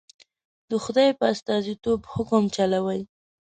د خدای په استازیتوب حکم چلوي.